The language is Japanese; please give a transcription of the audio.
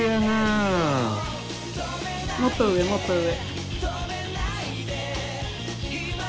もっと上、もっと上。